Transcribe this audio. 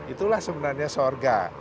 itulah sebenarnya sorga